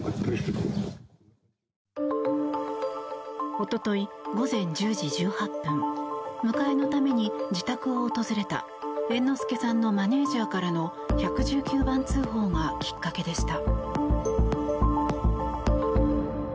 一昨日午前１０時１８分迎えのために自宅を訪れた猿之助さんのマネジャーからの１１９番通報がきっかけでした。